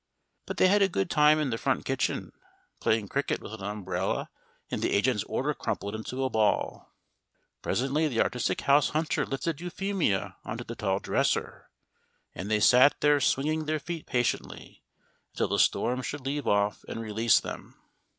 But they had a good time in the front kitchen, playing cricket with an umbrella and the agent's order crumpled into a ball. Presently the artistic house hunter lifted Euphemia on to the tall dresser, and they sat there swinging their feet patiently until the storm should leave off and release them.